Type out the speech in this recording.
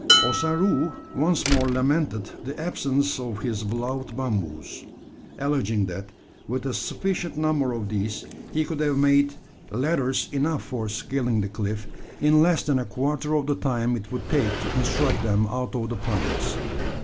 Ossaroo once more lamented the absence of his beloved bamboos alleging that with a sufficient number of these he could have made ladders enough for scaling the cliff, in less than a quarter of the time it would take to construct them out of the pines.